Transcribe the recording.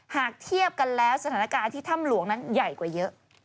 หากเทียบกันแล้วสถานการณ์ที่ถ้ำหลวงนั้นใหญ่กว่าเยอะ